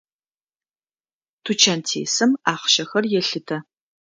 Тучантесым ахъщэхэр елъытэ.